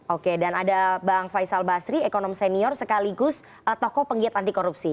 oke dan ada bang faisal basri ekonom senior sekaligus tokoh penggiat anti korupsi